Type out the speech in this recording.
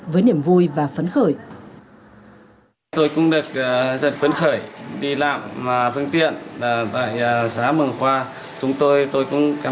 với niềm vui và phấn khởi